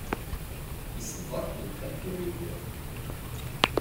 Isḍer lḥebb ur iwwiḍ.